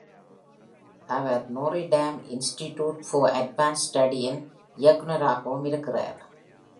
Our Notre Dame Institute for Advanced Study-ன் இயக்குநராகவும் இருக்கிறார்.